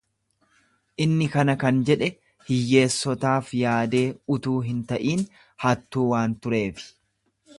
Inni kana kan jedhe hiyyeessotaaf yaadee utuu hin ta’in, hattu waan tureefi.